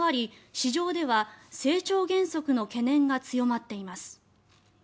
市場では成長減速の懸念が強まっています。